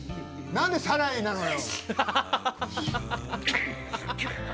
何で「サライ」なのよ！